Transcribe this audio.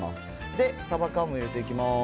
で、サバ缶も入れていきます。